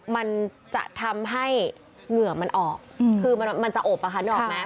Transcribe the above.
มันจะทำให้เหงื่อมันออกคือมันจะอบอะค่ะนึกออกไหม